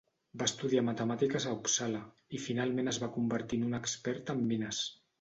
Va estudiar matemàtiques a Uppsala i finalment es va convertir en un expert en mines.